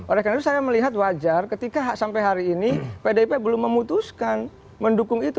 oleh karena itu saya melihat wajar ketika sampai hari ini pdip belum memutuskan mendukung itu